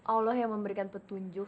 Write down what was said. allah yang memberikan petunjuk